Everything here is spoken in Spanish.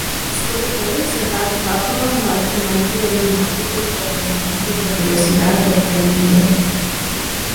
Los corredores adoptaron rápidamente el neumático por el aumento de velocidad obtenido.